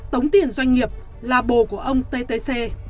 tống tiền doanh nghiệp là bồ của ông ttc